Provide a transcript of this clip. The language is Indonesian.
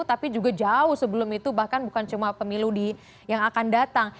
tapi juga jauh sebelum itu bahkan bukan cuma pemilu yang akan datang